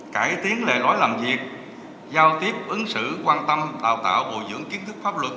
cải tiến lệ lõi làm việc giao tiếp ứng xử quan tâm tạo tạo bồi dưỡng kiến thức pháp luật